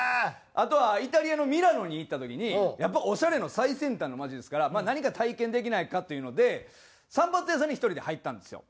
あとはイタリアのミラノに行った時にやっぱオシャレの最先端の街ですからまあ何か体験できないかというので散髪屋さんに１人で入ったんですよ。